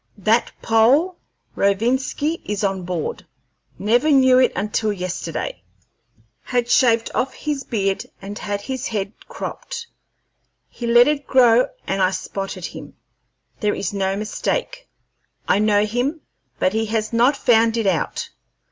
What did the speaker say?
That Pole, Rovinski, is on board. Never knew it until yesterday. Had shaved off his beard and had his head cropped. He let it grow, and I spotted him. There is no mistake. I know him, but he has not found it out.